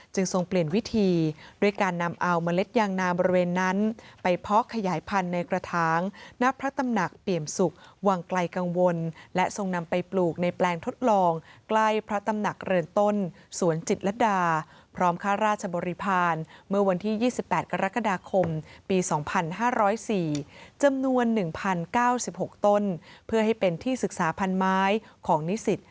ทรงเปลี่ยนวิธีด้วยการนำเอาเมล็ดยางนาบริเวณนั้นไปเพาะขยายพันธุ์ในกระถางณพระตำหนักเปี่ยมสุขวังไกลกังวลและทรงนำไปปลูกในแปลงทดลองใกล้พระตำหนักเรือนต้นสวนจิตรดาพร้อมค่าราชบริพาณเมื่อวันที่๒๘กรกฎาคมปี๒๕๐๔จำนวน๑๐๙๖ต้นเพื่อให้เป็นที่ศึกษาพันไม้ของนิสิต